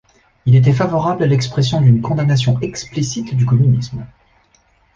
Il était favorable à l'expression d'une condamnation explicite du communisme.